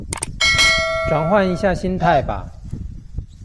轉換一下心態吧